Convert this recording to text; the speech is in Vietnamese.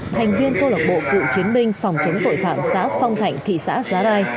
thành viên cơ lộc bộ cựu chiến binh phòng chống tội phạm xã phong thạnh thị xã giá rai